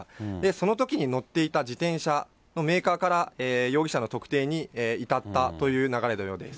そのときに乗っていた自転車のメーカーから、容疑者の特定に至ったという流れのようです。